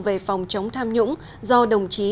về phòng chống tham nhũng do đồng chí